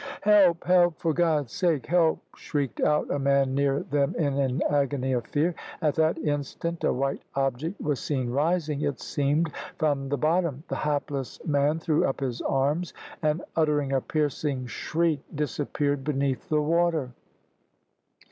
"Help! help. For God's sake, help!" shrieked out a man near them, in an agony of fear. At that instant a white object was seen rising, it seemed, from the bottom. The hapless man threw up his arms, and, uttering a piercing shriek, disappeared beneath the water.